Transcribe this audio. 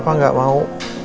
papa gak mau